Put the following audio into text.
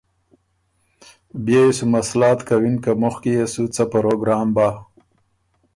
بيې يې سو مسلات کوِن که مُخکی يې سو څۀ پروګرام بَۀ۔